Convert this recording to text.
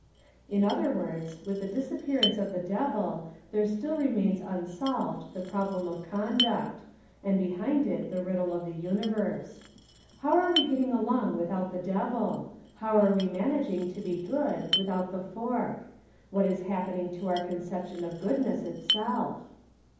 In other words, with the disappearance of the Devil there still remains unsolved the prob lem of conduct, and behind it the riddle of the universe. How are we getting along without the Devil? How are we managing to be good without the fork? What is happening to our conception of goodness itself?